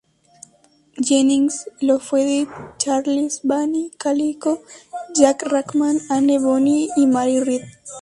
Jennings lo fue de Charles Vane, 'Calico' Jack Rackham, Anne Bonny y Mary Read.